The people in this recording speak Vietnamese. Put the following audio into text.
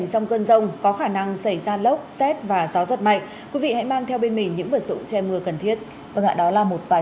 xin chào và hẹn gặp lại